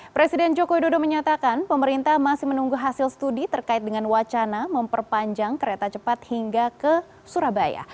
presiden joko widodo menyatakan pemerintah masih menunggu hasil studi terkait dengan wacana memperpanjang kereta cepat hingga ke surabaya